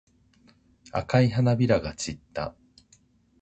赤い花びらが散った。